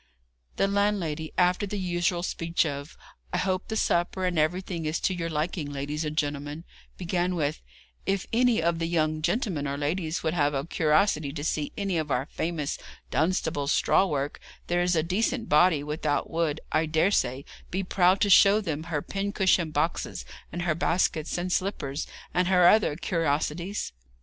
The landlady, after the usual speech of 'I hope the supper and everything is to your liking, ladies and gentlemen,' began with: 'If any of the young gentlemen or ladies would have a cur'osity to see any of our famous Dunstable straw work there's a decent body without would, I dare say, be proud to show them her pincushion boxes, and her baskets and slippers, and her other cur'osities.'